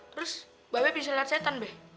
terus babes bisa liat setan be